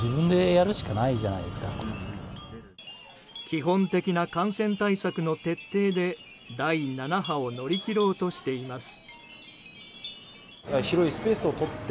基本的な感染対策の徹底で第７波を乗り切ろうとしています。